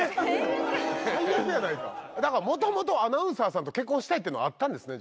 だからもともとアナウンサーさんと結婚したいっていうのはあったんですね？